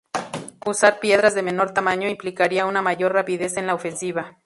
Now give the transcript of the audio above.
Usar piedras de menor tamaño implicaría una mayor rapidez en la ofensiva.